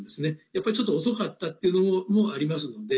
やっぱり、ちょっと遅かったっていうのもありますので。